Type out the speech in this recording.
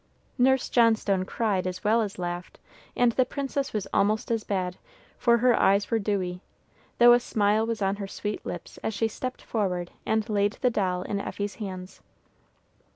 Nurse Johnstone cried as well as laughed, and the princess was almost as bad, for her eyes were dewy, though a smile was on her sweet lips as she stepped forward and laid the doll in Effie's hands.